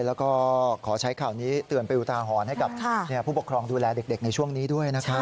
แล้วก็ขอใช้ข่าวนี้เตือนไปอุทาหรณ์ให้กับผู้ปกครองดูแลเด็กในช่วงนี้ด้วยนะครับ